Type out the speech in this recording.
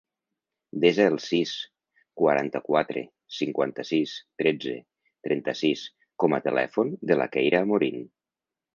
Desa el sis, quaranta-quatre, cinquanta-sis, tretze, trenta-sis com a telèfon de la Keira Amorin.